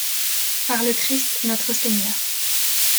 Par le Christ notre Seigneur.